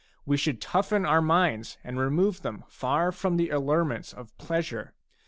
We should toughen our minds, and remove them far from the allurements of pleasure.